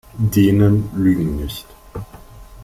Dänen lügen nicht.